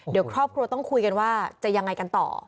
เดี๋ยวครอบครัวต้องคุยกันว่าจะยังไงกันต่อ